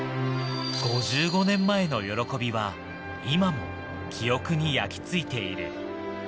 ５５年前の喜びは、今も記憶に焼きついている。